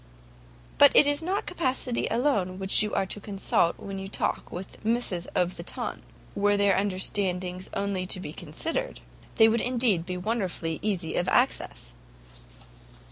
"But it is not capacity alone you are to consult when you talk with misses of the TON; were their understandings only to be considered, they would indeed be wonderfully easy of access!